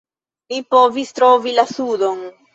Mi povis trovi la sudon.